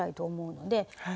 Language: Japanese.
はい。